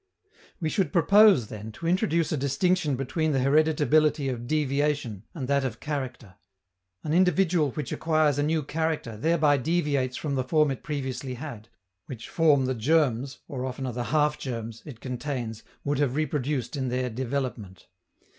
We should propose, then, to introduce a distinction between the hereditability of deviation and that of character. An individual which acquires a new character thereby deviates from the form it previously had, which form the germs, or oftener the half germs, it contains would have reproduced in their development.